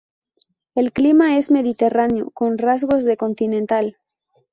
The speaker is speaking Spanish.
El clima es mediterráneo con rasgos de continental.